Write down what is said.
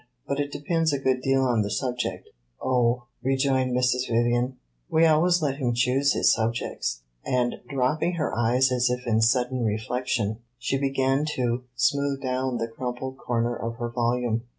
"But it depends a good deal on the subject." "Oh," rejoined Mrs. Vivian, "we always let him choose his subjects." And dropping her eyes as if in sudden reflection, she began to smooth down the crumpled corner of her volume.